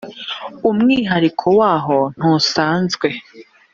umwihariko waho ntusanzwe.